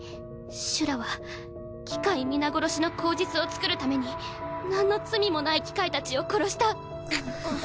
シュラは機械皆殺しの口実を作るために何の罪もない機械たちを殺した。